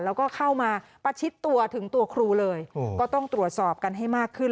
แล้วก็เข้ามาประชิดตัวถึงตัวครูเลยก็ต้องตรวจสอบกันให้มากขึ้น